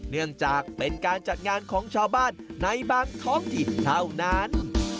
เนื่องจากเป็นการจัดงานของชาวบ้านในบางท้องถิ่นเท่านั้น